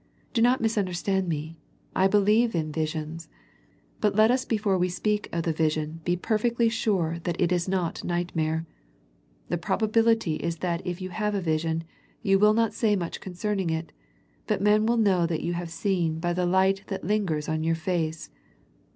Do not misun derstand me. I believe in visions, ^ut let us before we speak of the vision be perfectly sure that it is not nightmare. The probability is that if you have a vision, you will not say much concerning it, but men will know that you have seen by the light that lingers on your face.